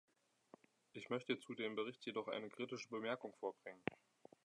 Ich möchte zu dem Bericht jedoch eine kritische Bemerkung vorbringen.